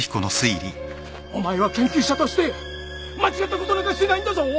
お前は研究者として間違ったことなんかしてないんだぞ！